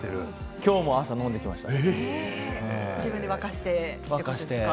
今日も朝、飲んできました。